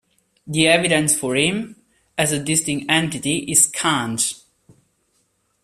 The evidence for him as a distinct entity is scant.